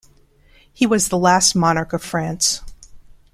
He was the last monarch of France.